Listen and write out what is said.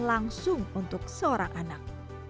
langsung untuk seorang anak